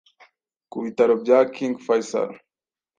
ku bitaro bya King Faisal